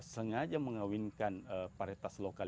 sengaja mengawinkan paritas lokal